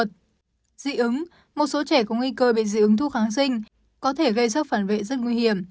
dị ứng một số trẻ có nguy cơ bị dị ứng thu kháng sinh có thể gây sức phản vệ rất nguy hiểm